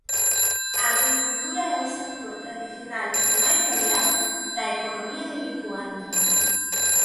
A agricultura é o sector tradicional e máis variado da economía de Lituania.